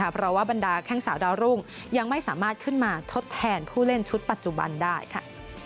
เพราะว่าบรรดาแข้งสาวดาวรุ่งยังไม่สามารถขึ้นมาทดแทนผู้เล่นชุดปัจจุบันได้ค่ะ